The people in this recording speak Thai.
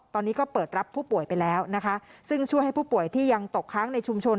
ตอนนี้ก็เปิดรับผู้ป่วยไปแล้วนะคะซึ่งช่วยให้ผู้ป่วยที่ยังตกค้างในชุมชน